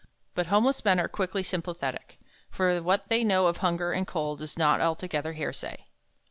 But homeless men are quickly sympathetic, for what they know of hunger and cold is not altogether hearsay.